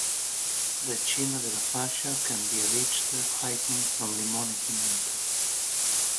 The Cima della Fascia can be reached hiking from Limone Piemonte.